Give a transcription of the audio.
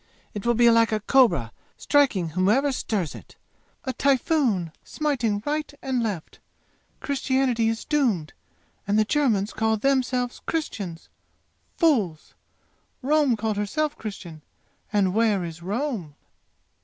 It will be like a cobra, striking whoever stirs it! A typhoon, smiting right and left! Christianity is doomed, and the Germans call themselves Christians! Fools! Rome called herself Christian and where is Rome?